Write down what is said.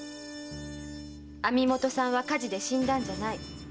網元さんは火事で死んだんじゃない。